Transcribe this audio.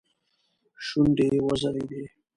شونډې يې وځړېدې.